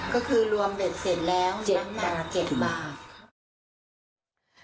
ก็คือรวมเบ็ดเสร็จแล้ว๗บาท๗บาท